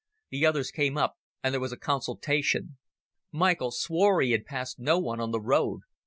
The others came up and there was a consultation. Michael swore he had passed no one on the road.